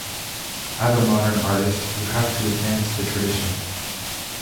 As a modern artist you have to advance the tradition.